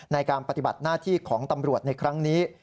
ในการปฏิบัติหน้าที่ของตำรวจในครั้งนี้